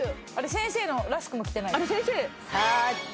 先生のラスクもきてない。